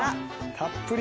たっぷり。